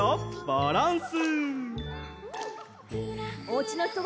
バランス。